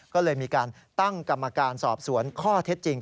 ก็เลยมีการตั้งกรรมการสอบสวนข้อเท็จจริง